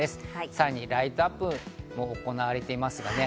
さらにライトアップも行われています。